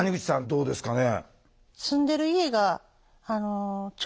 どうですかね？